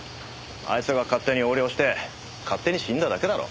あいつが勝手に横領して勝手に死んだだけだろ。